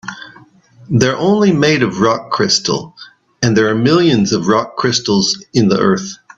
They're only made of rock crystal, and there are millions of rock crystals in the earth.